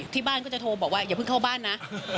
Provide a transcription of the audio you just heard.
ที่บ้านก็จะโทรบอกว่าอย่าเพิ่งเข้าบ้านนะ